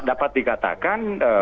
dan dapat dikatakan